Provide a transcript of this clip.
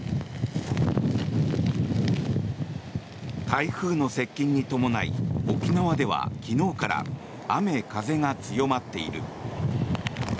台風の接近に伴い沖縄では昨日から雨風が強まっている。